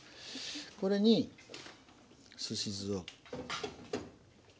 これにすし酢を。